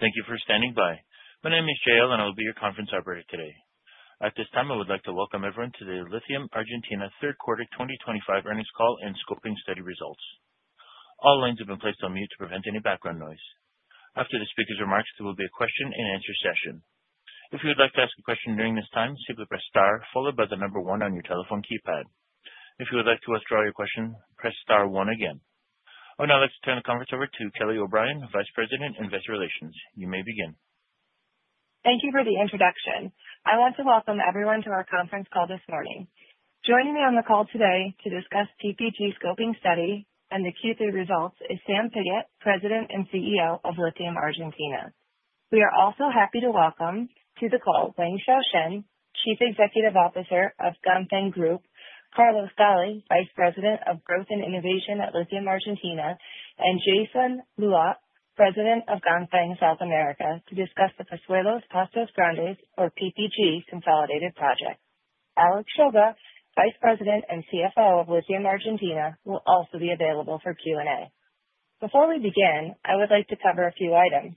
Thank you for standing by. My name is Jill, and I will be your conference operator today. At this time, I would like to welcome everyone to the Lithium Argentina Third Quarter 2025 Earnings Call and scoping study results. All lines have been placed on mute to prevent any background noise. After the speaker's remarks, there will be a question-and-answer session. If you would like to ask a question during this time, simply press star followed by the number one on your telephone keypad. If you would like to withdraw your question, press star one again. I would now like to turn the conference over to Kelly O'Brien, Vice President, Investor Relations. You may begin. Thank you for the introduction. I want to welcome everyone to our conference call this morning. Joining me on the call today to discuss PPG Scoping Study and the Q3 results is Sam Pigott, President and CEO of Lithium Argentina. We are also happy to welcome to the call Wang Xiaoshen, Chief Executive Officer of Ganfeng Group, Carlos Galli, Vice President of Growth and Innovation at Lithium Argentina, and Jason Luo, President of Ganfeng South America, to discuss the Pozuelos-Pastos Grandes, or PPG, consolidated project. Alex Shulga, Vice President and CFO of Lithium Argentina, will also be available for Q&A. Before we begin, I would like to cover a few items.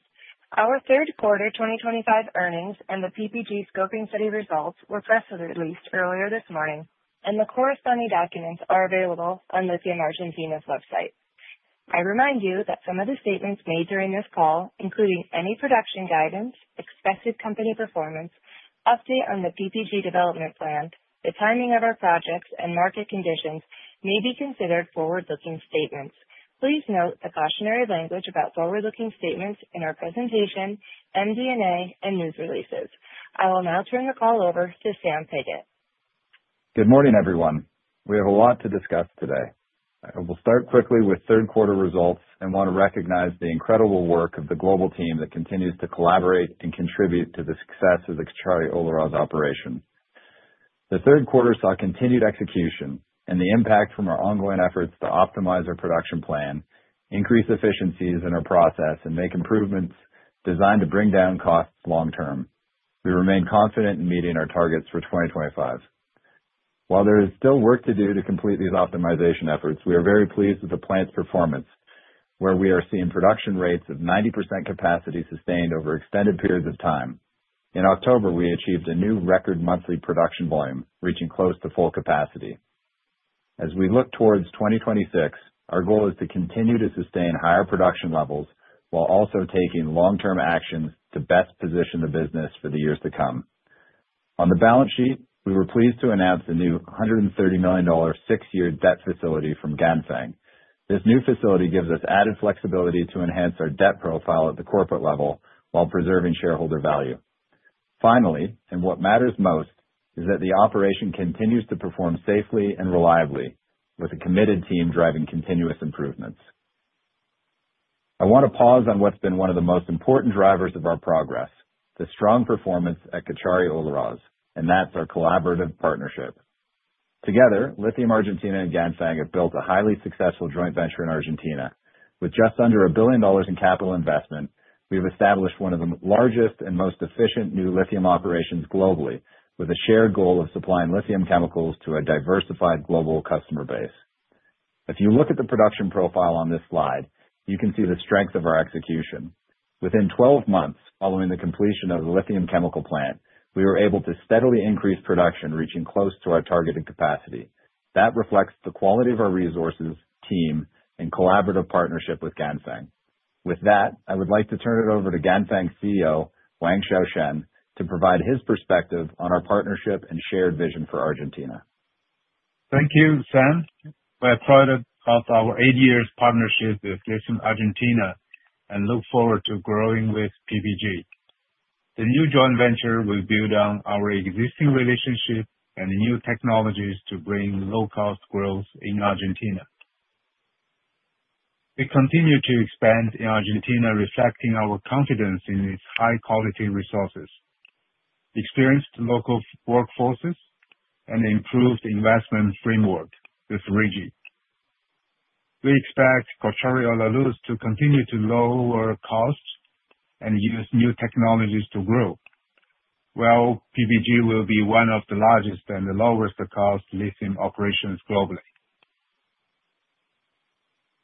Our third quarter 2025 earnings and the PPG Scoping Study results were press released earlier this morning, and the corresponding documents are available on Lithium Argentina's website. I remind you that some of the statements made during this call, including any production guidance, expected company performance, update on the PPG development plan, the timing of our projects, and market conditions, may be considered forward-looking statements. Please note the cautionary language about forward-looking statements in our presentation, MD&A, and news releases. I will now turn the call over to Sam Pigott. Good morning, everyone. We have a lot to discuss today. We'll start quickly with third quarter results and want to recognize the incredible work of the global team that continues to collaborate and contribute to the success of the Cauchari-Olaroz operation. The third quarter saw continued execution and the impact from our ongoing efforts to optimize our production plan, increase efficiencies in our process, and make improvements designed to bring down costs long term. We remain confident in meeting our targets for 2025. While there is still work to do to complete these optimization efforts, we are very pleased with the plant's performance, where we are seeing production rates of 90% capacity sustained over extended periods of time. In October, we achieved a new record monthly production volume, reaching close to full capacity. As we look towards 2026, our goal is to continue to sustain higher production levels while also taking long-term actions to best position the business for the years to come. On the balance sheet, we were pleased to announce the new $130 million six-year debt facility from Ganfeng. This new facility gives us added flexibility to enhance our debt profile at the corporate level while preserving shareholder value. Finally, and what matters most, is that the operation continues to perform safely and reliably, with a committed team driving continuous improvements. I want to pause on what's been one of the most important drivers of our progress: the strong performance at Cauchari-Olaroz, and that's our collaborative partnership. Together, Lithium Argentina and Ganfeng have built a highly successful joint venture in Argentina. With just under $1 billion in capital investment, we've established one of the largest and most efficient new lithium operations globally, with a shared goal of supplying lithium chemicals to a diversified global customer base. If you look at the production profile on this slide, you can see the strength of our execution. Within 12 months following the completion of the lithium chemical plant, we were able to steadily increase production, reaching close to our targeted capacity. That reflects the quality of our resources, team, and collaborative partnership with Ganfeng. With that, I would like to turn it over to Ganfeng CEO Wang Xiaoshen to provide his perspective on our partnership and shared vision for Argentina. Thank you, Sam. We're proud about our eight-year partnership with Lithium Argentina and look forward to growing with PPG. The new joint venture will build on our existing relationship and new technologies to bring low-cost growth in Argentina. We continue to expand in Argentina, reflecting our confidence in its high-quality resources, experienced local workforces, and improved investment framework with RIGI. We expect Cauchari-Olaroz to continue to lower costs and use new technologies to grow, while PPG will be one of the largest and the lowest-cost lithium operations globally.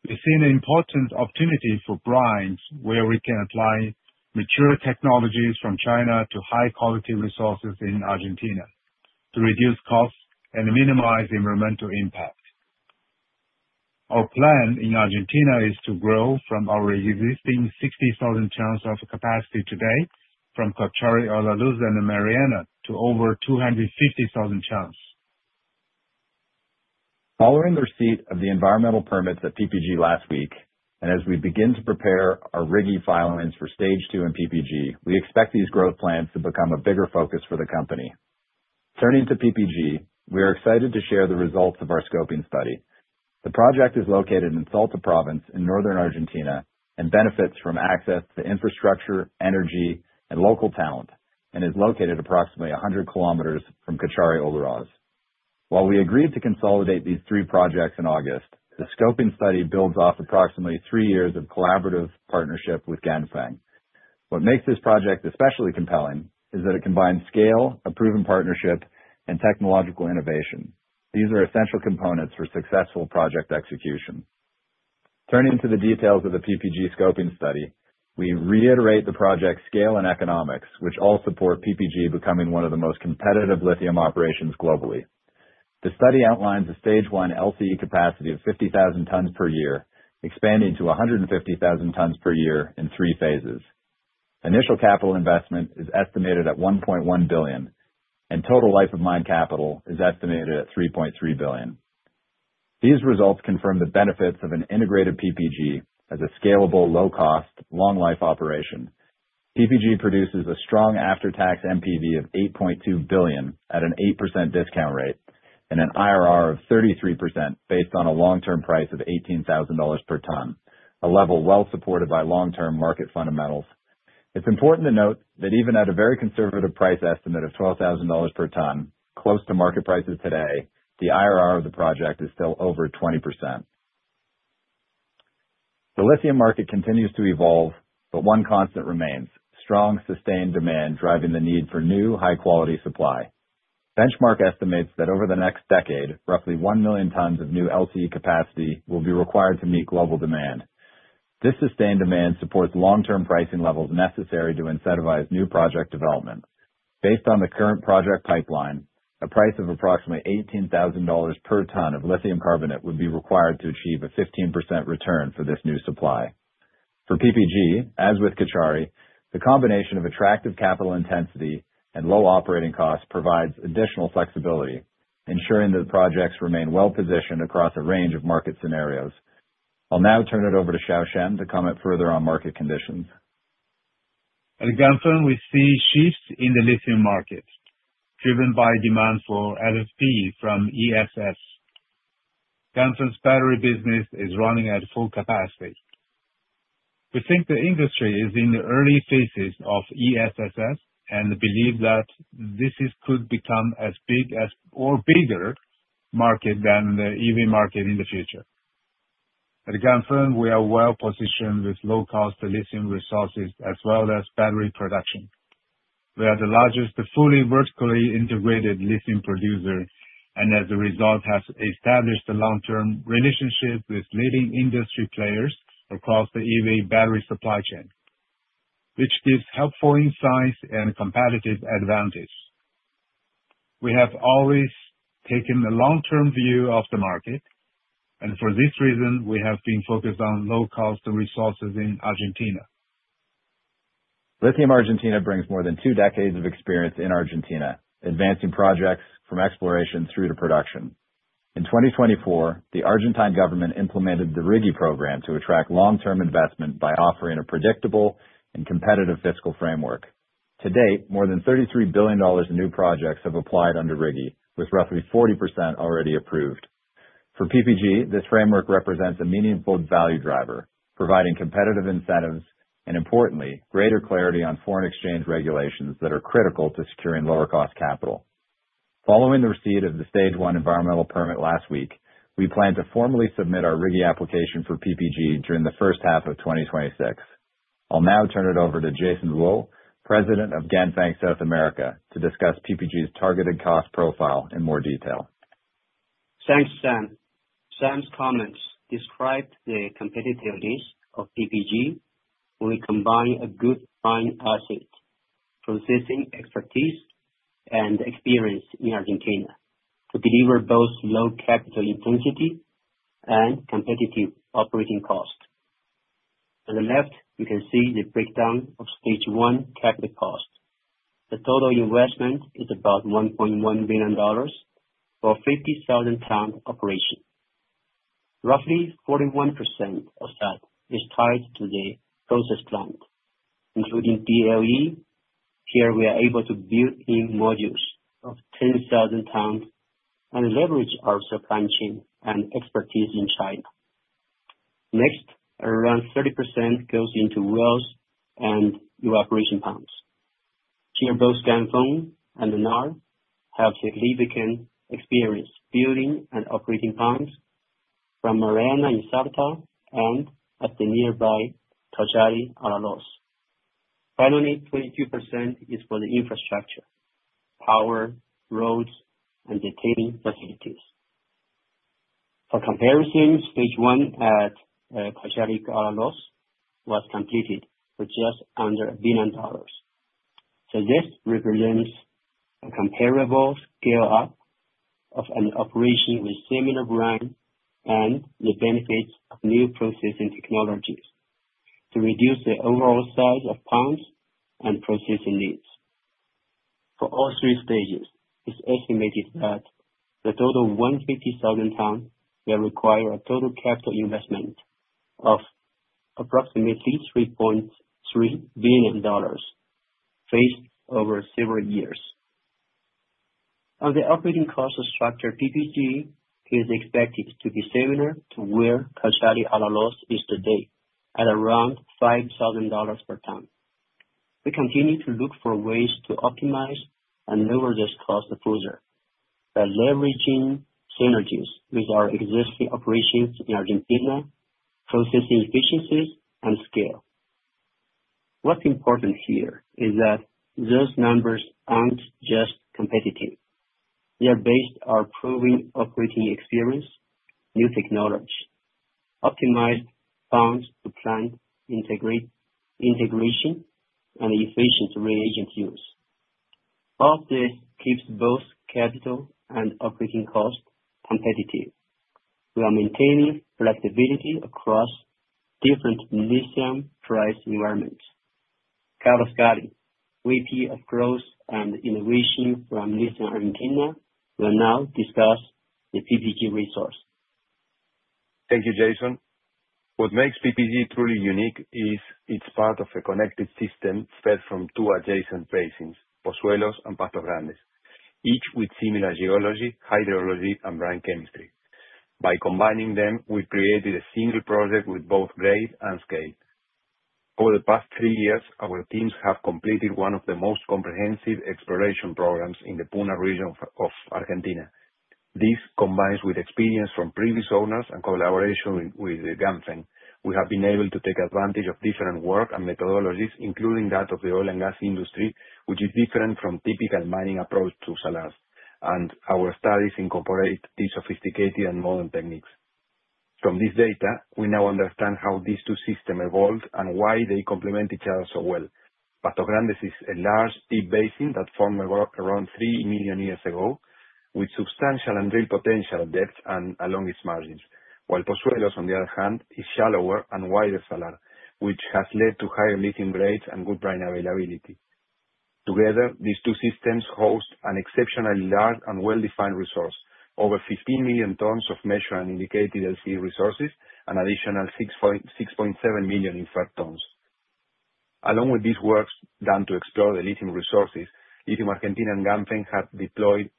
We see an important opportunity for brines where we can apply mature technologies from China to high-quality resources in Argentina to reduce costs and minimize environmental impact. Our plan in Argentina is to grow from our existing 60,000 tons of capacity today from Cauchari-Olaroz and the Mariana to over 250,000 tons. Following the receipt of the environmental permits at PPG last week, and as we begin to prepare our RIGI filings for Stage 2 in PPG, we expect these growth plans to become a bigger focus for the company. Turning to PPG, we are excited to share the results of our scoping study. The project is located in Salta Province in northern Argentina and benefits from access to infrastructure, energy, and local talent, and is located approximately 100 km from Cauchari-Olaroz. While we agreed to consolidate these three projects in August, the scoping study builds off approximately three years of collaborative partnership with Ganfeng. What makes this project especially compelling is that it combines scale, a proven partnership, and technological innovation. These are essential components for successful project execution. Turning to the details of the PPG Scoping Study, we reiterate the project's scale and economics, which all support PPG becoming one of the most competitive lithium operations globally. The study outlines a stage one LCE capacity of 50,000 tons per year, expanding to 150,000 tons per year in three phases. Initial capital investment is estimated at $1.1 billion, and total life-of-mine capital is estimated at $3.3 billion. These results confirm the benefits of an integrated PPG as a scalable, low-cost, long-life operation. PPG produces a strong after-tax NPV of $8.2 billion at an 8% discount rate and an IRR of 33% based on a long-term price of $18,000 per ton, a level well supported by long-term market fundamentals. It's important to note that even at a very conservative price estimate of $12,000 per ton, close to market prices today, the IRR of the project is still over 20%. The lithium market continues to evolve, but one constant remains: strong, sustained demand driving the need for new, high-quality supply. Benchmark estimates that over the next decade, roughly 1 million tons of new LCE capacity will be required to meet global demand. This sustained demand supports long-term pricing levels necessary to incentivize new project development. Based on the current project pipeline, a price of approximately $18,000 per ton of lithium carbonate would be required to achieve a 15% return for this new supply. For PPG, as with Cauchari, the combination of attractive capital intensity and low operating costs provides additional flexibility, ensuring that the projects remain well positioned across a range of market scenarios. I'll now turn it over to Xiaoshen to comment further on market conditions. At Ganfeng, we see shifts in the lithium market driven by demand for LFP from ESS. Ganfeng's battery business is running at full capacity. We think the industry is in the early phases of ESS and believe that this could become as big or bigger market than the EV market in the future. At Ganfeng, we are well positioned with low-cost lithium resources as well as battery production. We are the largest fully vertically integrated lithium producer and, as a result, have established a long-term relationship with leading industry players across the EV battery supply chain, which gives helpful insights and competitive advantage. We have always taken a long-term view of the market, and for this reason, we have been focused on low-cost resources in Argentina. Lithium Argentina brings more than two decades of experience in Argentina, advancing projects from exploration through to production. In 2024, the Argentine government implemented the RIGI program to attract long-term investment by offering a predictable and competitive fiscal framework. To date, more than $33 billion in new projects have applied under RIGI, with roughly 40% already approved. For PPG, this framework represents a meaningful value driver, providing competitive incentives and, importantly, greater clarity on foreign exchange regulations that are critical to securing lower-cost capital. Following the receipt of the stage one environmental permit last week, we plan to formally submit our RIGI application for PPG during the first half of 2026. I'll now turn it over to Jason Luo, President of Ganfeng South America, to discuss PPG's targeted cost profile in more detail. Thanks, Sam. Sam's comments describe the competitiveness of PPG when we combine a good brine asset, processing expertise, and experience in Argentina to deliver both low capital intensity and competitive operating cost. On the left, you can see the breakdown of stage one capital cost. The total investment is about $1.1 billion for a 50,000-ton operation. Roughly 41% of that is tied to the process plant, including DLE. Here, we are able to build in modules of 10,000 tons and leverage our supply chain and expertise in China. Next, around 30% goes into wells and evaporation ponds. Here, both Ganfeng and LAR have significant experience building and operating pumps from Mariana in Salta and at the nearby Cauchari-Olaroz. Finally, 22% is for the infrastructure: power, roads, and tailings facilities. For comparison, stage one at Cauchari-Olaroz was completed for just under $1 billion. So this represents a comparable scale-up of an operation with similar brines and the benefits of new processing technologies to reduce the overall size of pumps and processing needs. For all three stages, it's estimated that the total 150,000 tons will require a total capital investment of approximately $3.3 billion placed over several years. On the operating cost structure, PPG is expected to be similar to where Cauchari-Olaroz is today, at around $5,000 per ton. We continue to look for ways to optimize and lower this cost further by leveraging synergies with our existing operations in Argentina, processing efficiencies, and scale. What's important here is that those numbers aren't just competitive. They are based on our proven operating experience, new technology, optimized pumps to plant integration, and efficient reagent use. All this keeps both capital and operating costs competitive. We are maintaining flexibility across different lithium price environments. Carlos Galli, VP of Growth and Innovation from Lithium Argentina, will now discuss the PPG resource. Thank you, Jason. What makes PPG truly unique is it's part of a connected system fed from two adjacent basins, Pozuelos and Pastos Grandes, each with similar geology, hydrology, and brine chemistry. By combining them, we created a single project with both grade and scale. Over the past three years, our teams have completed one of the most comprehensive exploration programs in the Puna region of Argentina. This, combined with experience from previous owners and collaboration with Ganfeng, we have been able to take advantage of different work and methodologies, including that of the oil and gas industry, which is different from typical mining approach to salars, and our studies incorporate these sophisticated and modern techniques. From this data, we now understand how these two systems evolved and why they complement each other so well. Pastos Grandes is a large, deep basin that formed around three million years ago, with substantial and real potential depths and along its margins, while Pozuelos, on the other hand, is shallower and wider salar, which has led to higher lithium grades and good brine availability. Together, these two systems host an exceptionally large and well-defined resource: over 15 million tons of measured and indicated LCE resources and an additional 6.7 million in inferred tons. Along with these works done to explore the lithium resources, Lithium Argentina and Ganfeng have deployed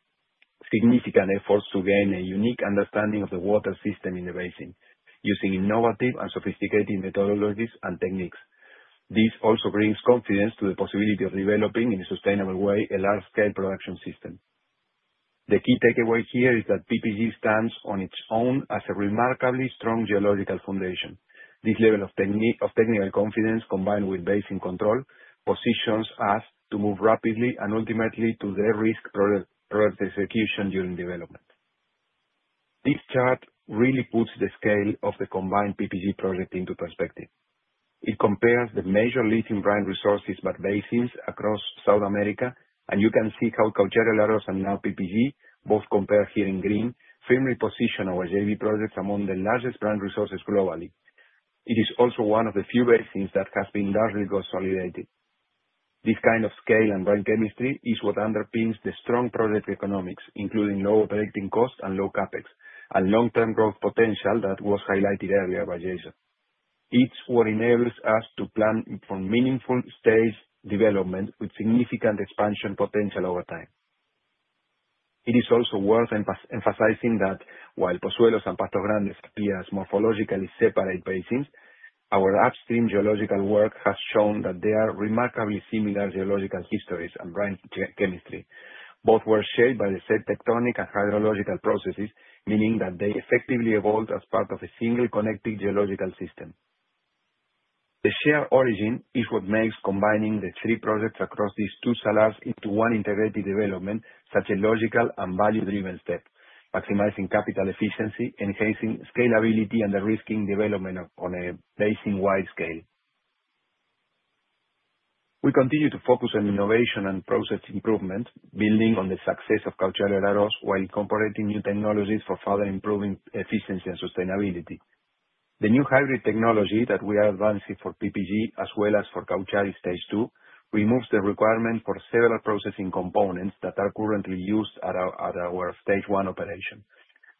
significant efforts to gain a unique understanding of the water system in the basin, using innovative and sophisticated methodologies and techniques. This also brings confidence to the possibility of developing in a sustainable way a large-scale production system. The key takeaway here is that PPG stands on its own as a remarkably strong geological foundation. This level of technical confidence, combined with basin control, positions us to move rapidly and ultimately to the risk-proof execution during development. This chart really puts the scale of the combined PPG project into perspective. It compares the major lithium brine resources by basins across South America, and you can see how Cauchari-Olaroz and now PPG, both compared here in green, firmly position our JV projects among the largest brine resources globally. It is also one of the few basins that has been largely consolidated. This kind of scale and brine chemistry is what underpins the strong project economics, including low operating costs and low CapEx, and long-term growth potential that was highlighted earlier by Jason. It's what enables us to plan for meaningful stage development with significant expansion potential over time. It is also worth emphasizing that while Pozuelos and Pastos Grandes appear as morphologically separate basins, our upstream geological work has shown that they are remarkably similar geological histories and brine chemistry. Both were shaped by the same tectonic and hydrological processes, meaning that they effectively evolved as part of a single connected geological system. The shared origin is what makes combining the three projects across these two salinas into one integrated development such a logical and value-driven step, maximizing capital efficiency, enhancing scalability, and de-risking development on a basin-wide scale. We continue to focus on innovation and process improvement, building on the success of Cauchari-Olaroz while incorporating new technologies for further improving efficiency and sustainability. The new hybrid technology that we are advancing for PPG, as well as for Cauchari Stage 2, removes the requirement for several processing components that are currently used at our stage one operation.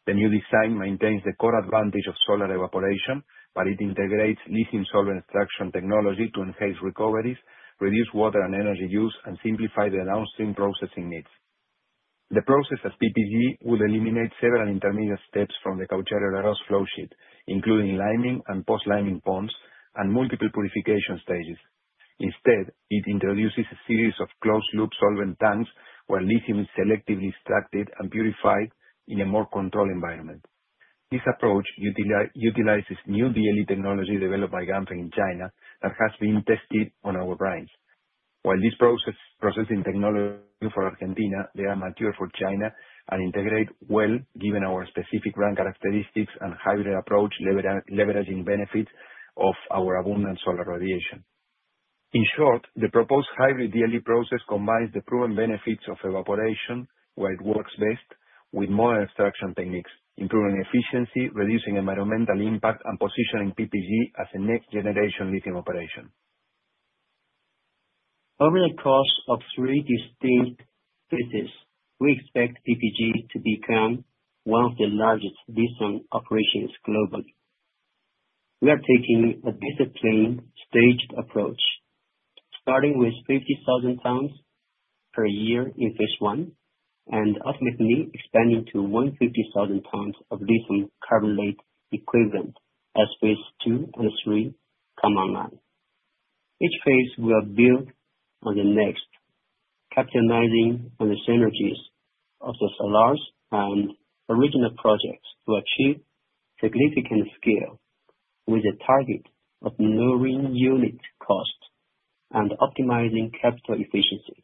The new design maintains the core advantage of solar evaporation, but it integrates lithium solvent extraction technology to enhance recoveries, reduce water and energy use, and simplify the downstream processing needs. The process at PPG would eliminate several intermediate steps from the Cauchari-Olaroz flowsheet, including liming and post-liming pumps and multiple purification stages. Instead, it introduces a series of closed-loop solvent tanks where lithium is selectively extracted and purified in a more controlled environment. This approach utilizes new DLE technology developed by Ganfeng in China that has been tested on our brines. While this processing technology is new for Argentina, they are mature for China and integrate well given our specific brine characteristics and hybrid approach leveraging benefits of our abundant solar radiation. In short, the proposed hybrid DLE process combines the proven benefits of evaporation, where it works best, with modern extraction techniques, improving efficiency, reducing environmental impact, and positioning PPG as a next-generation lithium operation. Over the course of three distinct phases, we expect PPG to become one of the largest lithium operations globally. We are taking a disciplined staged approach, starting with 50,000 tons per year in Phase I and ultimately expanding to 150,000 tons of lithium carbonate equivalent as Phase II and III come online. Each phase will build on the next, capitalizing on the synergies of the salars and original projects to achieve significant scale with a target of lowering unit cost and optimizing capital efficiency.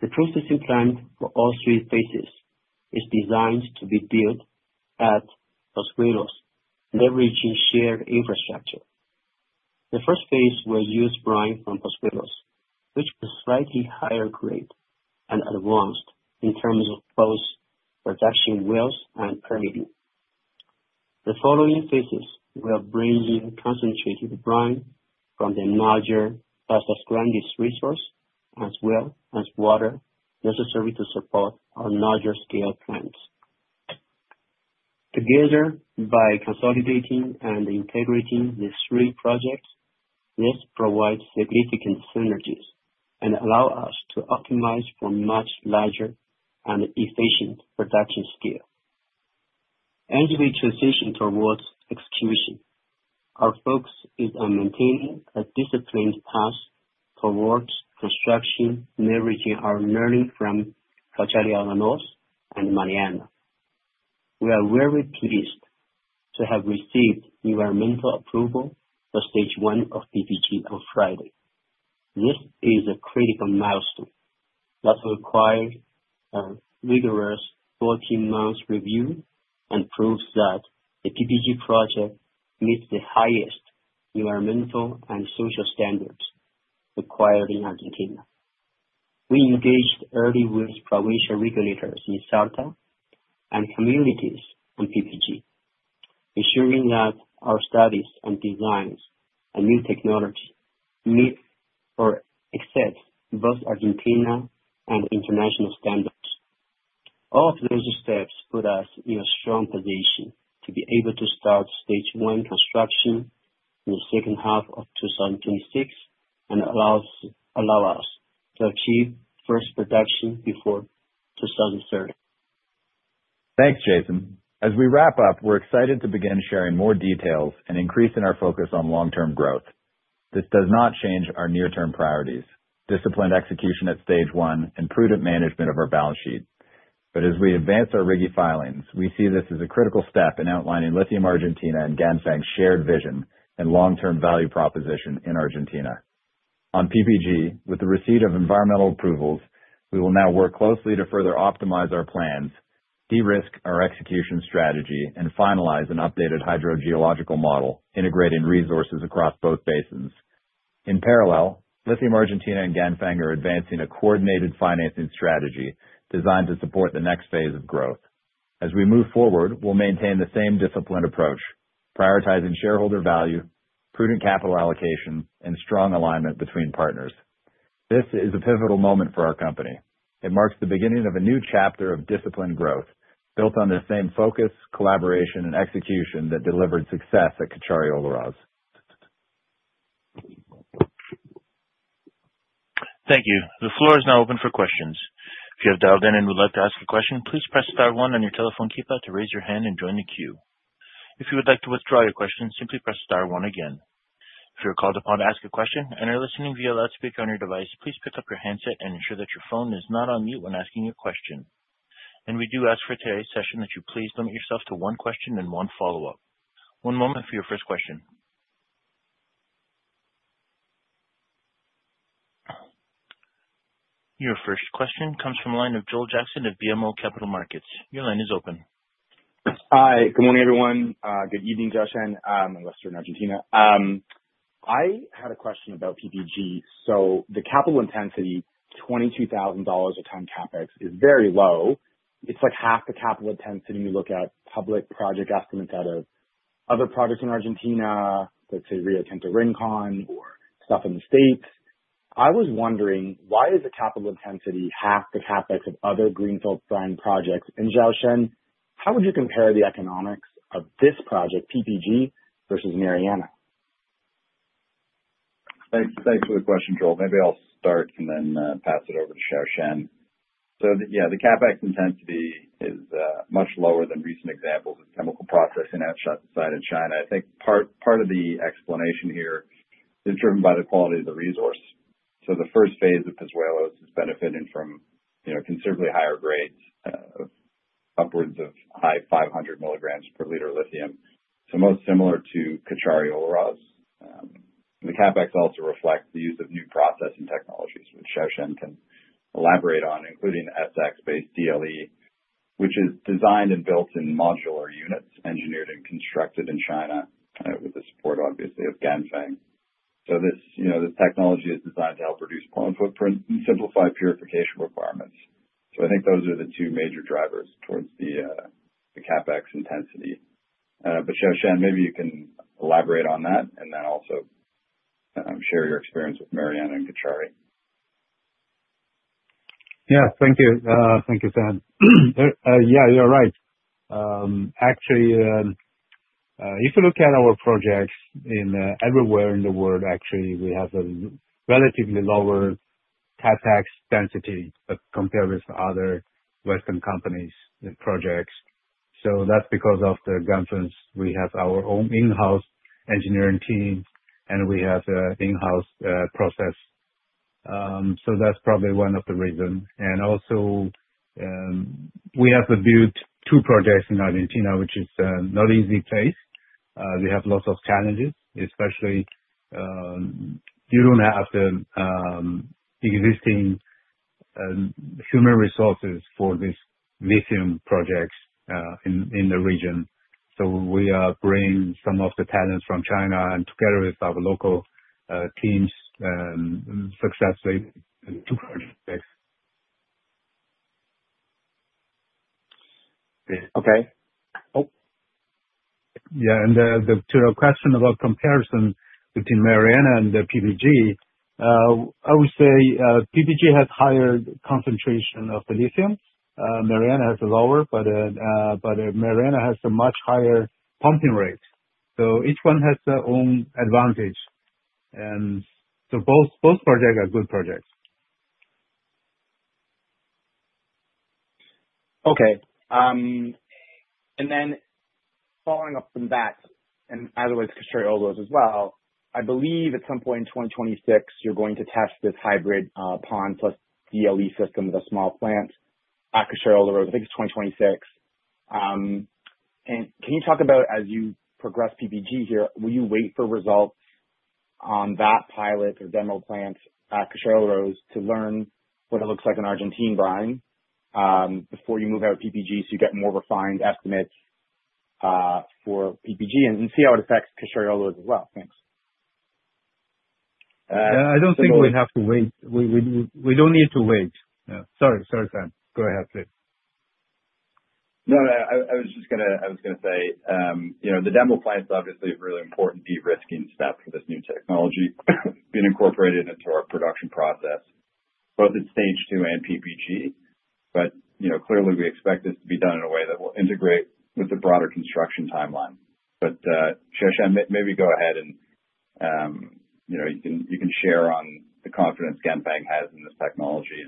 The processing plant for all three phases is designed to be built at Pozuelos, leveraging shared infrastructure. The first phase will use brine from Pozuelos, which is slightly higher grade and advanced in terms of both production wells and permitting. The following phases will bring in concentrated brine from the larger Cauchari-Olaroz resource as well as water necessary to support our larger scale plants. Together, by consolidating and integrating the three projects, this provides significant synergies and allows us to optimize for much larger and efficient production scale. As we transition towards execution, our focus is on maintaining a disciplined path towards construction, leveraging our learning from Cauchari-Olaroz and Mariana. We are very pleased to have received environmental approval for stage one of PPG on Friday. This is a critical milestone that requires a rigorous 14-month review and proves that the PPG project meets the highest environmental and social standards required in Argentina. We engaged early with provincial regulators in Salta and communities on PPG, ensuring that our studies and designs and new technology meet or exceed both Argentina and international standards. All of those steps put us in a strong position to be able to start stage one construction in the second half of 2026 and allow us to achieve first production before 2030. Thanks, Jason. As we wrap up, we're excited to begin sharing more details and increasing our focus on long-term growth. This does not change our near-term priorities: disciplined execution at stage one and prudent management of our balance sheet. But as we advance our RIGI filings, we see this as a critical step in outlining Lithium Argentina and Ganfeng's shared vision and long-term value proposition in Argentina. On PPG, with the receipt of environmental approvals, we will now work closely to further optimize our plans, de-risk our execution strategy, and finalize an updated hydrogeological model, integrating resources across both basins. In parallel, Lithium Argentina and Ganfeng are advancing a coordinated financing strategy designed to support the next phase of growth. As we move forward, we'll maintain the same disciplined approach, prioritizing shareholder value, prudent capital allocation, and strong alignment between partners. This is a pivotal moment for our company. It marks the beginning of a new chapter of disciplined growth, built on the same focus, collaboration, and execution that delivered success at Cauchari-Olaroz. Thank you. The floor is now open for questions. If you have dialed in and would like to ask a question, please press star one on your telephone keypad to raise your hand and join the queue. If you would like to withdraw your question, simply press star one again. If you're called upon to ask a question and are listening via loudspeaker on your device, please pick up your handset and ensure that your phone is not on mute when asking your question. And we do ask for today's session that you please limit yourself to one question and one follow-up. One moment for your first question. Your first question comes from a line of Joel Jackson of BMO Capital Markets. Your line is open. Hi. Good morning, everyone. Good evening to those in Western Australia. I had a question about PPG. So the capital intensity, $22,000 a ton CapEx, is very low. It's like half the capital intensity when you look at public project estimates out of other projects in Argentina, let's say Rio Tinto Rincon or stuff in the States. I was wondering, why is the capital intensity half the CapEx of other greenfield brine projects? And, Xiaoshen, how would you compare the economics of this project, PPG, versus Mariana? Thanks for the question, Joel. Maybe I'll start and then pass it over to Xiaoshen. So yeah, the CapEx intensity is much lower than recent examples of chemical processing outside of China. I think part of the explanation here is driven by the quality of the resource. So the first phase of Pozuelos is benefiting from considerably higher grades, upwards of high 500 milligrams per liter lithium, so most similar to Cauchari-Olaroz. The CapEx also reflects the use of new processing technologies, which Xiaoshen can elaborate on, including SX-based DLE, which is designed and built in modular units, engineered and constructed in China, with the support, obviously, of Ganfeng. So this technology is designed to help reduce plant footprint and simplify purification requirements. So I think those are the two major drivers towards the CapEx intensity. But, Xiaoshen, maybe you can elaborate on that and then also share your experience with Mariana and Cauchari. Yeah, thank you. Thank you, Sam. Yeah, you're right. Actually, if you look at our projects everywhere in the world, actually, we have a relatively lower CapEx density compared with other Western companies' projects. So that's because of the Ganfeng's. We have our own in-house engineering team, and we have an in-house process. So that's probably one of the reasons. And also, we have built two projects in Argentina, which is not an easy place. They have lots of challenges, especially you don't have the existing human resources for these lithium projects in the region. So we are bringing some of the talents from China and, together with our local teams, successfully to projects. Okay. Oh. Yeah. And to your question about comparison between Mariana and PPG, I would say PPG has a higher concentration of the lithium. Mariana has a lower, but Mariana has a much higher pumping rate. So each one has their own advantage. And so both projects are good projects. Okay. And then following up from that, and either with Cauchari-Olaroz as well, I believe at some point in 2026, you're going to test this hybrid pond plus DLE system with a small plant at Cauchari-Olaroz. I think it's 2026. And can you talk about, as you progress PPG here, will you wait for results on that pilot or demo plant at Cauchari-Olaroz to learn what it looks like in Argentine brine before you move out of PPG so you get more refined estimates for PPG and see how it affects Cauchari-Olaroz as well? Thanks. Yeah, I don't think we have to wait. We don't need to wait. Sorry, Sam. Go ahead, please. No, I was just going to say the demo plants obviously have a really important de-risking step for this new technology being incorporated into our production process, both at Stage 2 and PPG. But clearly, we expect this to be done in a way that will integrate with the broader construction timeline. But, Xiaoshen, maybe go ahead and you can share on the confidence Ganfeng has in this technology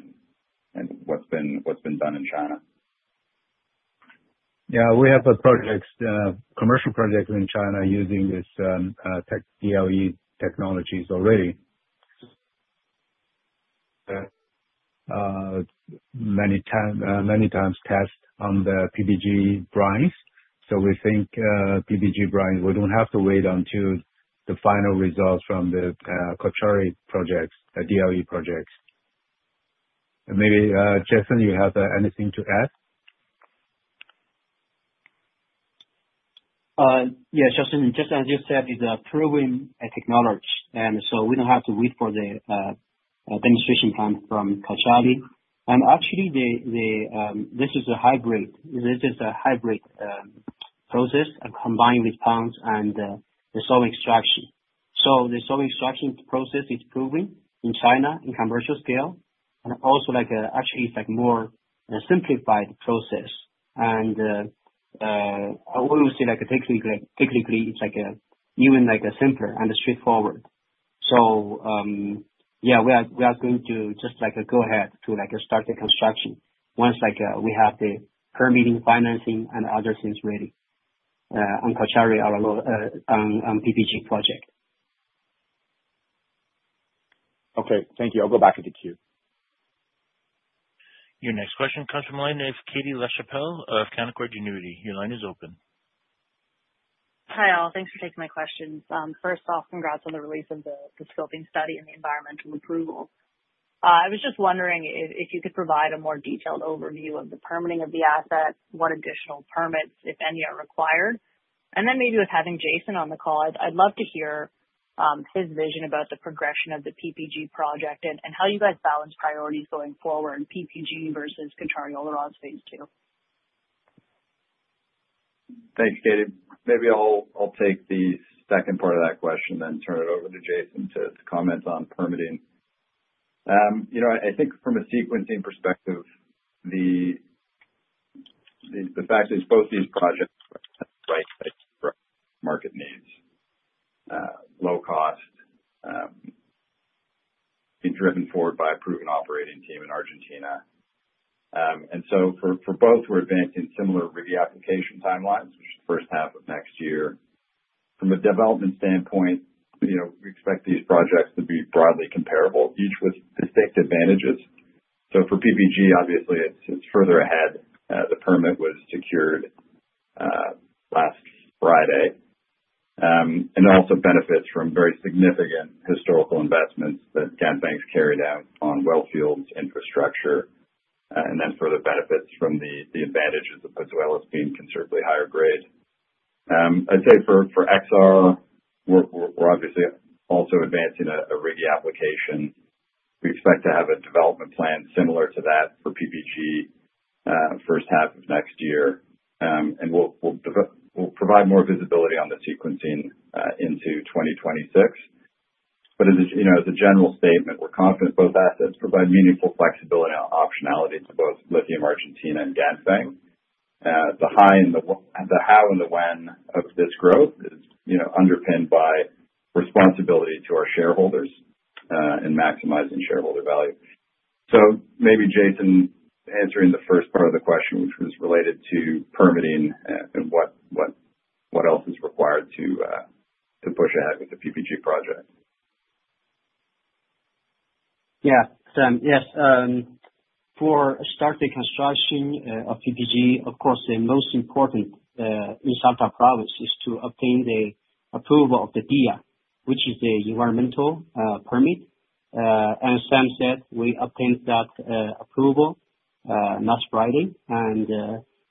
and what's been done in China. Yeah, we have a commercial project in China using these DLE technologies already. Many times test on the PPG brines. So we think PPG brine, we don't have to wait until the final results from the Cauchari projects, the DLE projects. Maybe Jason, you have anything to add? Yeah, Jason, just as you said, it's a proven technology. And so we don't have to wait for the demonstration plant from Cauchari. And actually, this is a hybrid. This is a hybrid process combined with ponds and the solvent extraction. So the solvent extraction process is proven in China in commercial scale. And also, actually, it's a more simplified process. And I would say technically, it's even simpler and straightforward. So yeah, we are going to just go ahead to start the construction once we have the permitting, financing, and other things ready on Cauchari and PPG project. Okay. Thank you. I'll go back into queue. Your next question comes from a line of Katie Lachapelle of Canaccord Genuity. Your line is open. Hi, all. Thanks for taking my questions. First off, congrats on the release of the scoping study and the environmental approvals. I was just wondering if you could provide a more detailed overview of the permitting of the asset, what additional permits, if any, are required. And then maybe with having Jason on the call, I'd love to hear his vision about the progression of the PPG project and how you guys balance priorities going forward, PPG versus Cauchari-Olaroz Phase II. Thanks, Katie. Maybe I'll take the second part of that question and then turn it over to Jason to comment on permitting. I think from a sequencing perspective, the fact that both these projects are right-sized for market needs, low cost, being driven forward by a proven operating team in Argentina, and so for both, we're advancing similar RIGI application timelines, which is the first half of next year. From a development standpoint, we expect these projects to be broadly comparable, each with distinct advantages, so for PPG, obviously, it's further ahead. The permit was secured last Friday, and it also benefits from very significant historical investments that Ganfeng's carried out on wellfield infrastructure and then further benefits from the advantages of Pozuelos being considerably higher grade. I'd say for Cauchari-Olaroz, we're obviously also advancing a RIGI application. We expect to have a development plan similar to that for PPG first half of next year, and we'll provide more visibility on the sequencing into 2026. But as a general statement, we're confident both assets provide meaningful flexibility and optionality to both Lithium Argentina and Ganfeng. The how and the when of this growth is underpinned by responsibility to our shareholders and maximizing shareholder value, so maybe Jason, answering the first part of the question, which was related to permitting and what else is required to push ahead with the PPG project. Yeah, Sam. Yes. For starting construction of PPG, of course, the most important in Salta province is to obtain the approval of the DIA, which is the environmental permit, and Sam said we obtained that approval last Friday.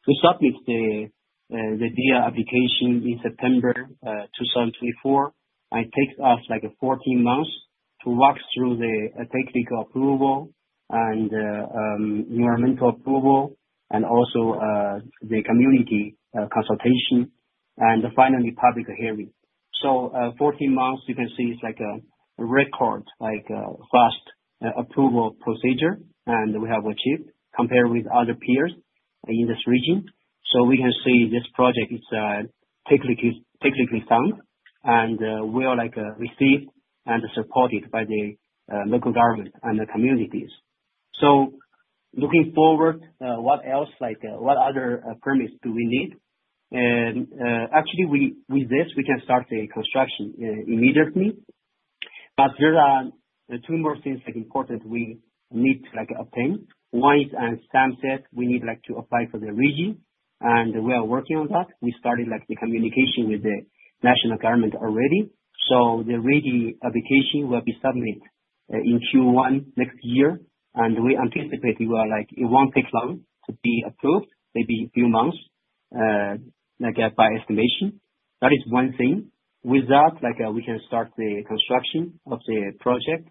We submit the DIA application in September 2024. It takes us like 14 months to walk through the technical approval and environmental approval and also the community consultation and finally public hearing, so 14 months. You can see it's like a record, like a fast approval procedure, and we have achieved compared with other peers in this region. We can see this project is technically sound and well received and supported by the local government and the communities. Looking forward, what else? What other permits do we need? Actually, with this, we can start the construction immediately. But there are two more things that are important that we need to obtain. One is, as Sam said, we need to apply for the RIGI. And we are working on that. We started the communication with the national government already. So the RIGI application will be submitted in Q1 next year. And we anticipate it won't take long to be approved, maybe a few months by estimation. That is one thing. With that, we can start the construction of the project.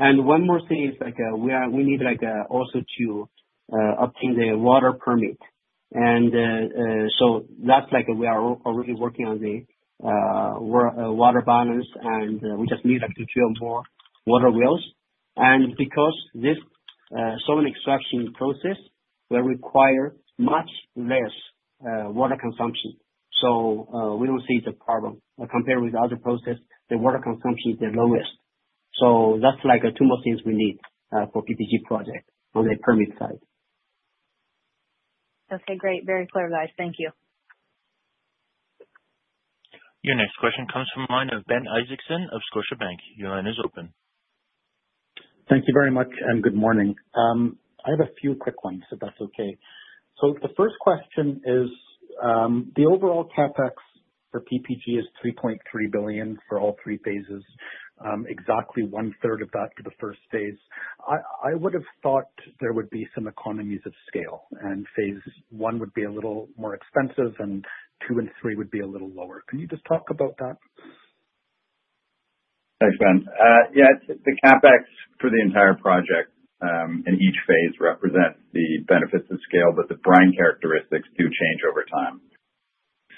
And one more thing is we need also to obtain the water permit. And so that's like we are already working on the water balance, and we just need to drill more water wells. And because this soil extraction process will require much less water consumption, so we don't see the problem. Compared with other processes, the water consumption is the lowest. So that's like two more things we need for PPG project on the permit side. Okay. Great. Very clear guys. Thank you. Your next question comes from a line of Ben Isaacson of Scotiabank. Your line is open. Thank you very much, and good morning. I have a few quick ones, if that's okay. So the first question is the overall CapEx for PPG is $3.3 billion for all three phases, exactly one-third of that for the first phase. I would have thought there would be some economies of scale, and Phase I would be a little more expensive, and two and three would be a little lower. Can you just talk about that? Thanks, Ben. Yeah, the CapEx for the entire project in each Phase represents the benefits of scale, but the brine characteristics do change over time.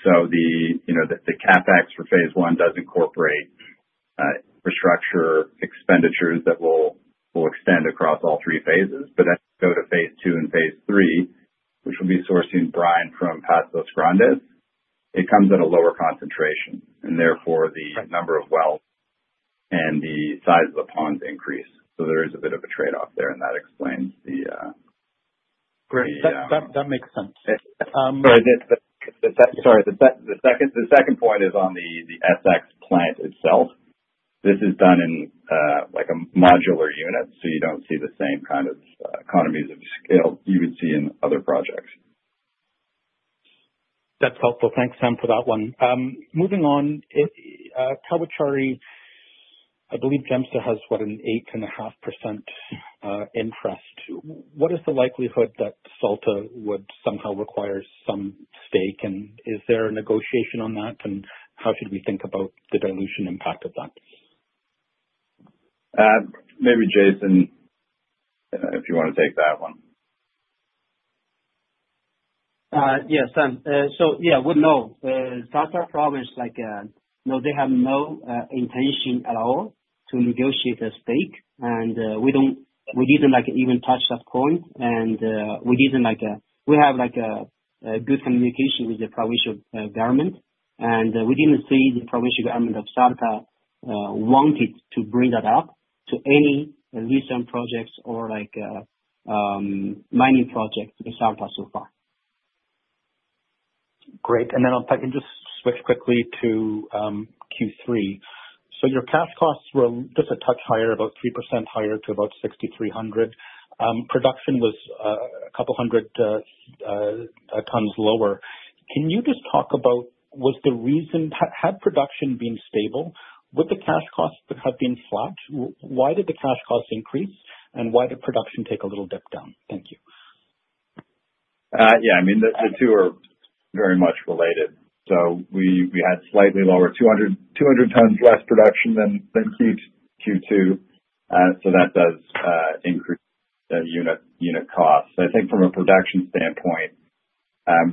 So the CapEx for Phase I does incorporate infrastructure expenditures that will extend across all three phases. But then to go to Phase II and Phase III, which will be sourcing brine from Pastos Grandes, it comes at a lower concentration. And therefore, the number of wells and the size of the ponds increase. So there is a bit of a trade-off there, and that explains the. Great. That makes sense. Sorry. The second point is on the SX plant itself. This is done in a modular unit, so you don't see the same kind of economies of scale you would see in other projects. That's helpful. Thanks, Sam, for that one. Moving on, Cauchari-Olaroz, I believe JEMSE has what, an 8.5% interest. What is the likelihood that Salta would somehow require some stake? And is there a negotiation on that? And how should we think about the dilution impact of that? Maybe Jason, if you want to take that one. Yes, Sam. So yeah, we know Salta province; they have no intention at all to negotiate a stake. And we didn't even touch that point. And we have good communication with the provincial government. And we didn't see the provincial government of Salta wanting to bring that up to any lithium projects or mining projects in Salta so far. Great. And then I'll just switch quickly to Q3. So your cash costs were just a touch higher, about 3% higher to about $6,300. Production was a couple hundred tons lower. Can you just talk about, had production been stable, would the cash costs have been flat? Why did the cash costs increase? And why did production take a little dip down? Thank you. Yeah. I mean, the two are very much related. So we had slightly lower 200 tons less production than Q2. So that does increase unit costs. I think from a production standpoint,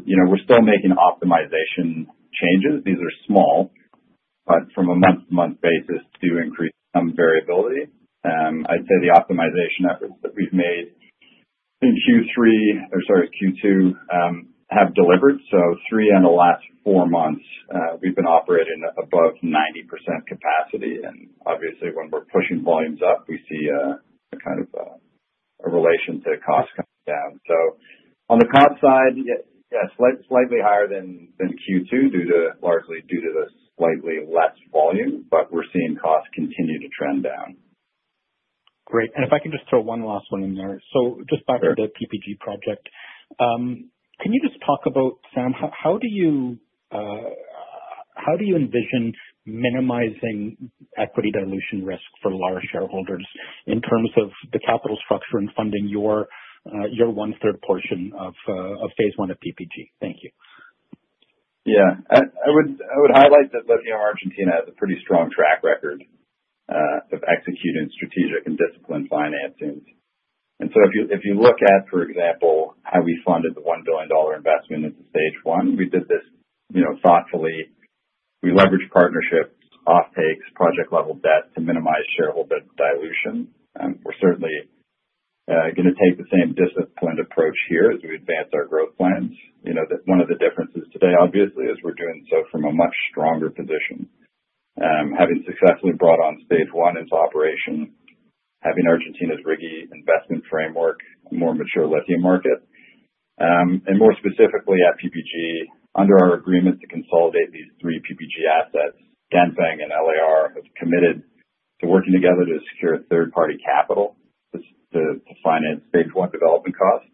we're still making optimization changes. These are small, but from a month-to-month basis, do increase some variability. I'd say the optimization efforts that we've made in Q3 or sorry, Q2 have delivered. So three and the last four months, we've been operating above 90% capacity. And obviously, when we're pushing volumes up, we see kind of a relation to cost coming down. So on the cost side, yes, slightly higher than Q2, largely due to the slightly less volume, but we're seeing costs continue to trend down. Great, and if I can just throw one last one in there, so just back to the PPG project. Can you just talk about, Sam, how do you envision minimizing equity dilution risk for large shareholders in terms of the capital structure and funding your one-third portion of Phase I of PPG? Thank you. Yeah. I would highlight that Lithium Argentina has a pretty strong track record of executing strategic and disciplined financings, and so if you look at, for example, how we funded the $1 billion investment into stage one, we did this thoughtfully. We leveraged partnerships, off-takes, project-level debt to minimize shareholder dilution. We're certainly going to take the same disciplined approach here as we advance our growth plans. One of the differences today, obviously, is we're doing so from a much stronger position, having successfully brought on stage one into operation, having Argentina's RIGI investment framework, a more mature lithium market, and more specifically at PPG, under our agreement to consolidate these three PPG assets, Ganfeng and LAR have committed to working together to secure third-party capital to finance stage one development costs,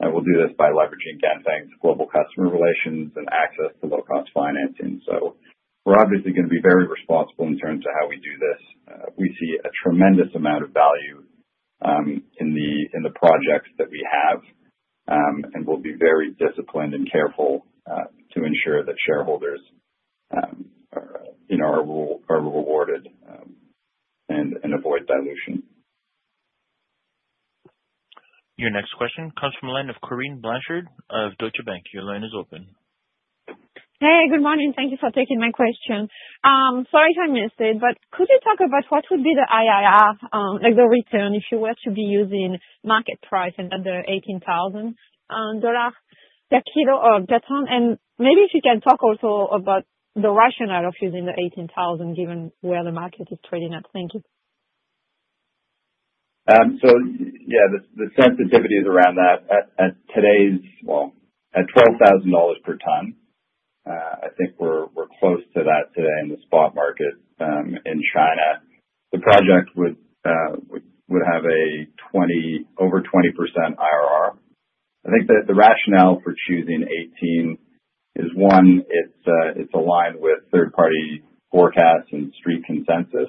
and we'll do this by leveraging Ganfeng's global customer relations and access to low-cost financing. So we're obviously going to be very responsible in terms of how we do this. We see a tremendous amount of value in the projects that we have, and we'll be very disciplined and careful to ensure that shareholders are rewarded and avoid dilution. Your next question comes from the line of Corinne Blanchard of Deutsche Bank. Your line is open. Hey, good morning. Thank you for taking my question. Sorry if I missed it, but could you talk about what would be the IRR, the return, if you were to be using market price and then the $18,000 per kilo or per ton? And maybe if you can talk also about the rationale of using the $18,000 given where the market is trading at. Thank you. Yeah, the sensitivity is around that. At $12,000 per ton, I think we're close to that today in the spot market in China. The project would have over 20% IRR. I think the rationale for choosing $18,000 is, one, it's aligned with third-party forecasts and street consensus.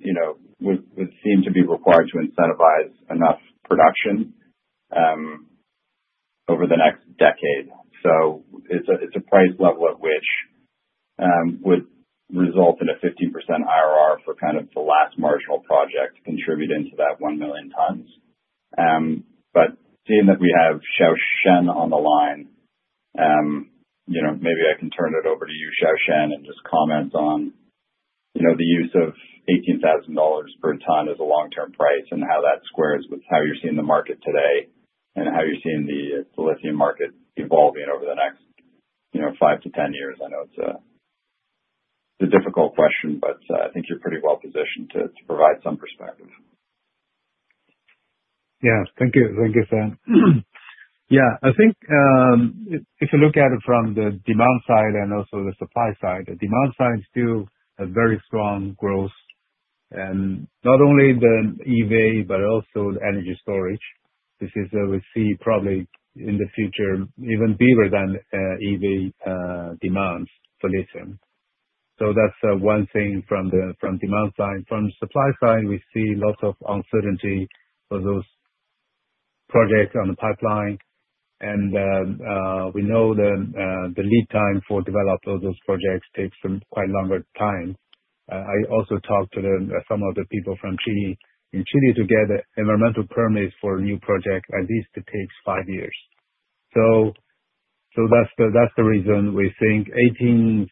And it seems to be a level that would seem to be required to incentivize enough production over the next decade. So it's a price level at which would result in a 15% IRR for kind of the last marginal project contributing to that one million tons. But seeing that we have Wang Xiaoshen on the line, maybe I can turn it over to you, Wang Xiaoshen, and just comment on the use of $18,000 per ton as a long-term price and how that squares with how you're seeing the market today and how you're seeing the lithium market evolving over the next 5 to 10 years. I know it's a difficult question, but I think you're pretty well positioned to provide some perspective. Yeah. Thank you, Sam. Yeah. I think if you look at it from the demand side and also the supply side, the demand side still has very strong growth. And not only the EV, but also the energy storage. This is, we see probably in the future, even bigger than EV demands for lithium. So that's one thing from the demand side. From the supply side, we see lots of uncertainty for those projects on the pipeline. And we know the lead time for developing those projects takes quite a longer time. I also talked to some of the people from Chile in Chile to get environmental permits for a new project. At least it takes five years. So that's the reason we think $18,000.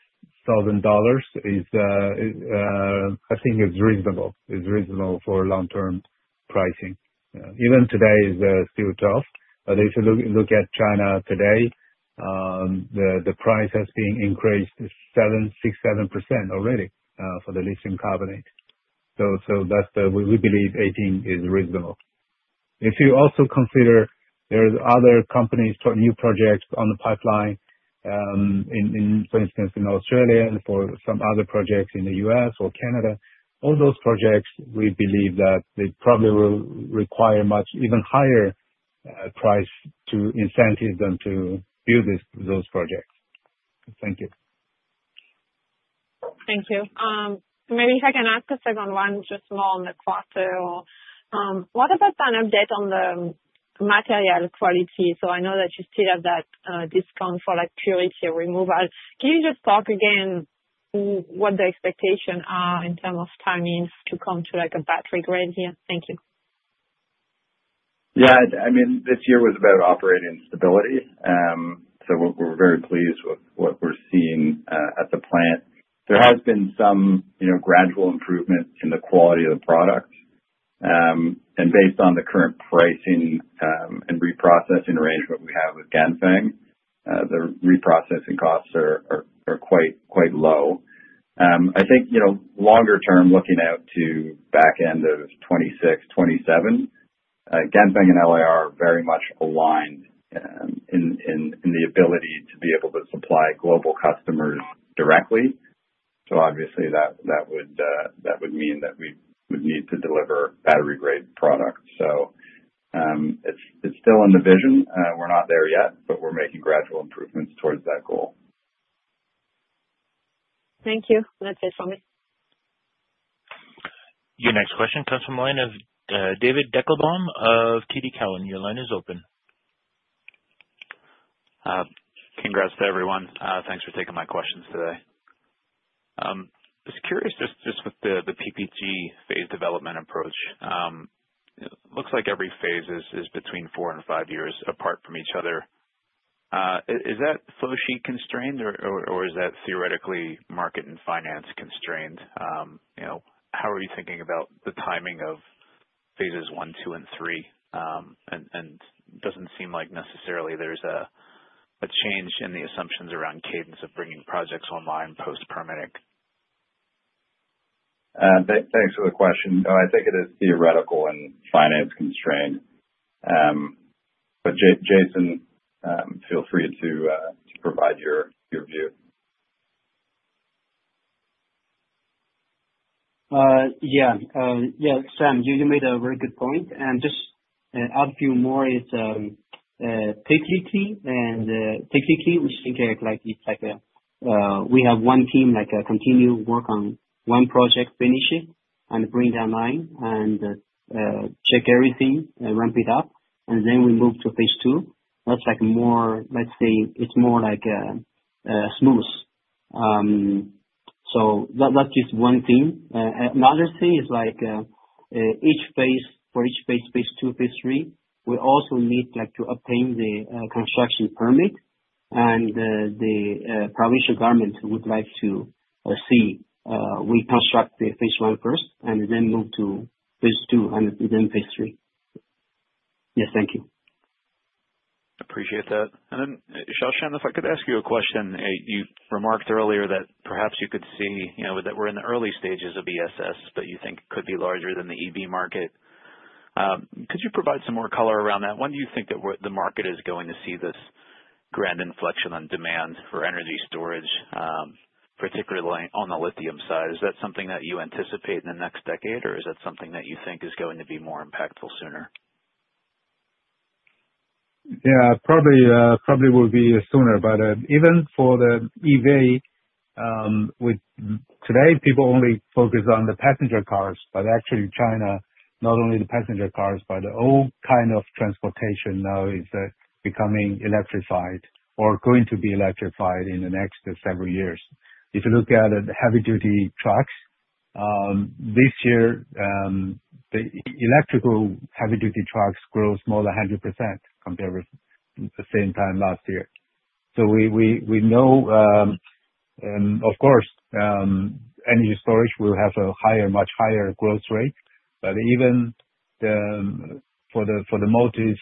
I think it's reasonable. It's reasonable for long-term pricing. Even today is still tough. But if you look at China today, the price has been increased 6%-7% already for the lithium carbonate. So we believe 18 is reasonable. If you also consider there are other companies, new projects in the pipeline, for instance, in Australia and for some other projects in the U.S. or Canada, all those projects, we believe that they probably will require even higher price to incentive them to build those projects. Thank you. Thank you. Maybe if I can ask a second one, just a small one on the Cauchari. What about an update on the material quality? So I know that you still have that discount for purity removal. Can you just talk again what the expectations are in terms of timing to come to a battery grade here? Thank you. Yeah. I mean, this year was about operating stability. So we're very pleased with what we're seeing at the plant. There has been some gradual improvement in the quality of the product. And based on the current pricing and reprocessing arrangement we have with Ganfeng, the reprocessing costs are quite low. I think longer-term looking out to back end of 2026, 2027, Ganfeng and LAR are very much aligned in the ability to be able to supply global customers directly. So obviously, that would mean that we would need to deliver battery-grade products. So it's still in the vision. We're not there yet, but we're making gradual improvements towards that goal. Thank you. That's it from me. Your next question comes from a line of David Deckelbaum of TD Cowen. Your line is open. Congrats to everyone. Thanks for taking my questions today. Just curious, just with the PPG phase development approach, it looks like every phase is between four and five years apart from each other. Is that flow sheet constrained, or is that theoretically market and finance constrained? How are you thinking about the timing of phases one, two, and three? It doesn't seem like necessarily there's a change in the assumptions around cadence of bringing projects online post-permitting. Thanks for the question. I think it is theoretical and finance constrained. But Jason, feel free to provide your view. Yeah. Yeah, Sam, you made a very good point, and just add a few more. It's technically, and technically, we think it's like we have one team, continue work on one project, finish it, and bring it online, and check everything, ramp it up, and then we move to Phase II. That's more, let's say, it's more like a smooth. So that's just one thing. Another thing is each phase, for each phase, Phase II, Phase III, we also need to obtain the construction permit, and the provincial government would like to see we construct the Phase I first and then move to Phase II and then Phase III. Yes. Thank you. Appreciate that, and then, Xiaoshen, if I could ask you a question. You remarked earlier that perhaps you could see that we're in the early stages of ESS, but you think it could be larger than the EV market. Could you provide some more color around that? When do you think that the market is going to see this grand inflection on demand for energy storage, particularly on the lithium side? Is that something that you anticipate in the next decade, or is that something that you think is going to be more impactful sooner? Yeah. It probably will be sooner. But even for the EV, today, people only focus on the passenger cars. But actually, China, not only the passenger cars, but the whole kind of transportation now is becoming electrified or going to be electrified in the next several years. If you look at the heavy-duty trucks, this year, the electrical heavy-duty trucks grow more than 100% compared with the same time last year. So we know, of course, energy storage will have a much higher growth rate. But even for the motors,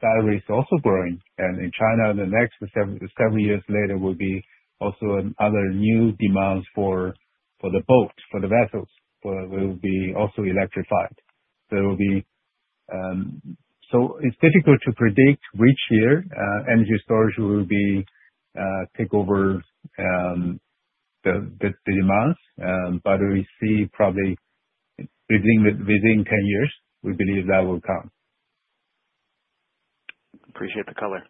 batteries are also growing. And in China, the next several years later will be also other new demands for the boats, for the vessels, will be also electrified. So it's difficult to predict which year energy storage will take over the demands. But we see probably within 10 years, we believe that will come. Appreciate the color.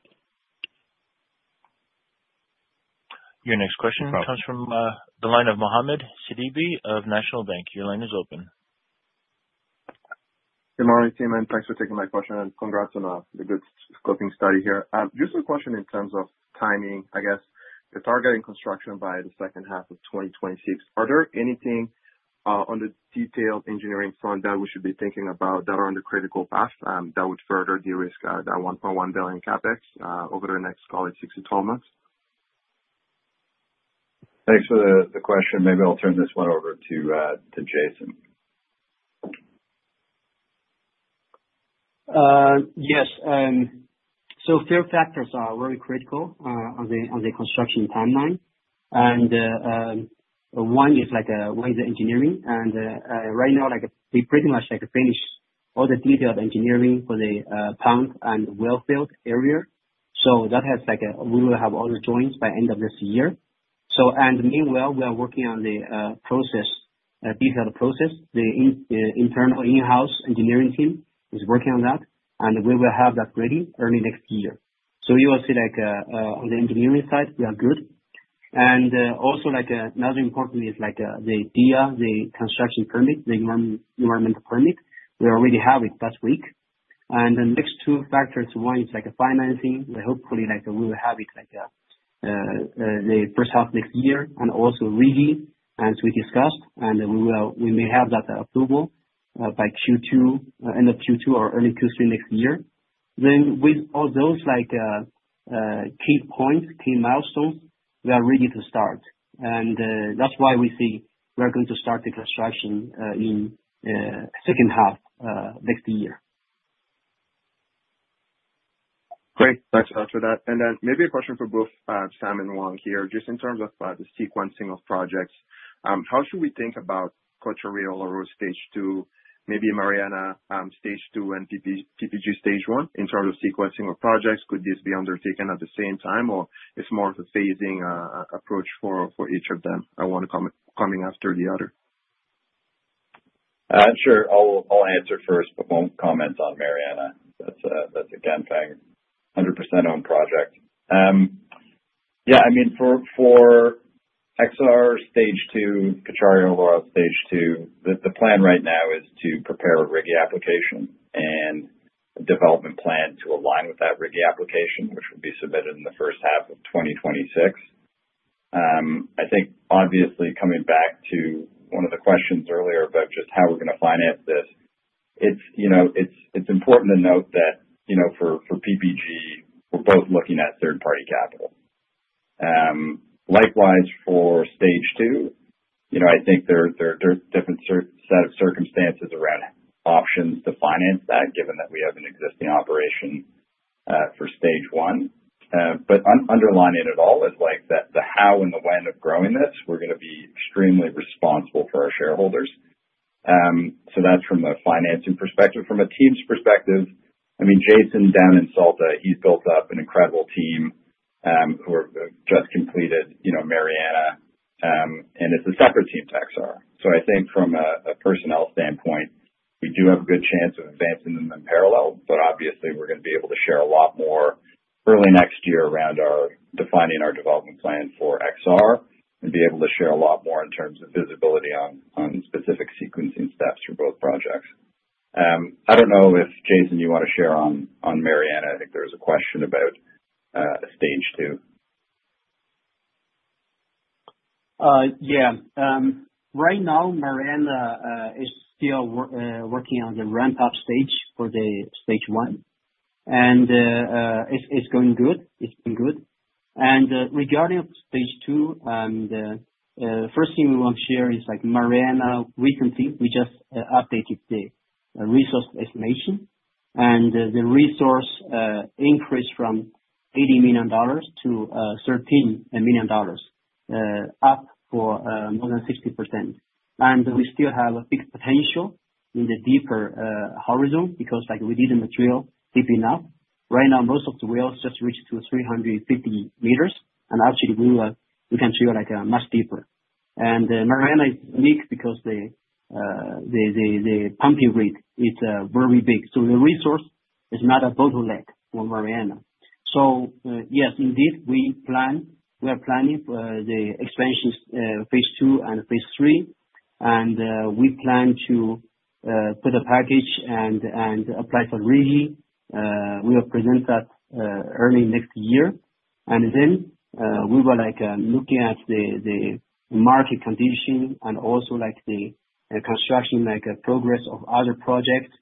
Your next question comes from the line of Mohamed Sidibé of National Bank. Your line is open. Good morning, Sam. Thanks for taking my question. And congrats on the good scoping study here. Just a question in terms of timing, I guess. The targeting construction by the second half of 2026, are there anything on the detailed engineering front that we should be thinking about that are on the critical path that would further de-risk that $1.1 billion CapEx over the next, call it, 6-12 months? Thanks for the question. Maybe I'll turn this one over to Jason. Yes. So a few factors are very critical on the construction timeline, and one is the engineering. And right now, we pretty much finished all the detailed engineering for the pump and well field area. So that has we will have all the drawings by end of this year, and meanwhile, we are working on the detailed process. The internal in-house engineering team is working on that, and we will have that ready early next year. So you will see on the engineering side, we are good, and also, another important is the DIA, the construction permit, the environmental permit. We already have it last week, and the next two factors, one is financing. Hopefully, we will have it the first half next year and also RIGI, as we discussed, and we may have that approval by Q2, end of Q2 or early Q3 next year. Then with all those key points, key milestones, we are ready to start. And that's why we see we are going to start the construction in the second half next year. Great. Thanks for that. And then maybe a question for both Sam and Wang here. Just in terms of the sequencing of projects, how should we think about Cauchari-Olaroz, Rincon Stage 2, maybe Mariana Stage 2, and PPG stage one in terms of sequencing of projects? Could this be undertaken at the same time, or it's more of a phasing approach for each of them? I want to come in after the other. Sure. I'll answer first, but won't comment on Mariana. That's a Ganfeng 100% owned project. Yeah. I mean, for Cauchari-Olaroz Stage 2, the plan right now is to prepare a RIGI application and a development plan to align with that RIGI application, which will be submitted in the first half of 2026. I think, obviously, coming back to one of the questions earlier about just how we're going to finance this, it's important to note that for PPG, we're both looking at third-party capital. Likewise, for Stage 2, I think there are different set of circumstances around options to finance that, given that we have an existing operation for stage one. But underlining it all is the how and the when of growing this. We're going to be extremely responsible for our shareholders. So that's from a financing perspective. From a team's perspective, I mean, Jason down in Salta, he's built up an incredible team who have just completed Mariana. And it's a separate team to Exar. So I think from a personnel standpoint, we do have a good chance of advancing them in parallel. But obviously, we're going to be able to share a lot more early next year around defining our development plan for Exar and be able to share a lot more in terms of visibility on specific sequencing steps for both projects. I don't know if Jason, you want to share on Mariana. I think there was a question about Stage 2. Yeah. Right now, Mariana is still working on the ramp-up stage for stage one. And it's going good. It's been good. And regarding Stage 2, the first thing we want to share is Mariana recently. We just updated the resource estimation. And the resource increased from 8.0 million to 13 million up for more than 60%. And we still have a big potential in the deeper horizon because we didn't drill deep enough. Right now, most of the wells just reached to 350 meters. And actually, we can drill much deeper. And Mariana is unique because the pumping rig is very big. So the resource is not a bottleneck for Mariana. So yes, indeed, we are planning the expansion Phase II and Phase III. And we plan to put a package and apply for RIGI. We will present that early next year. And then we were looking at the market condition and also the construction progress of other projects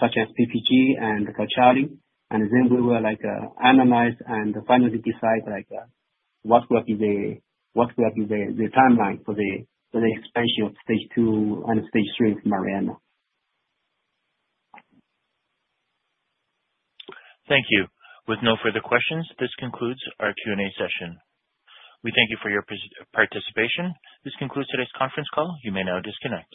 such as PPG and Cauchari. And then we will analyze and finally decide what will be the timeline for the expansion of Stage 2 and stage three for Mariana. Thank you. With no further questions, this concludes our Q&A session. We thank you for your participation. This concludes today's conference call. You may now disconnect.